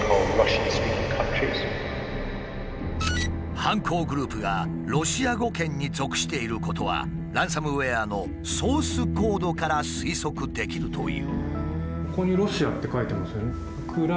犯行グループがロシア語圏に属していることはランサムウエアのソースコードから推測できるという。